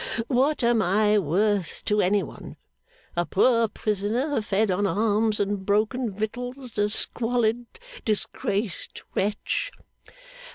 What am I worth to anyone? A poor prisoner, fed on alms and broken victuals; a squalid, disgraced wretch!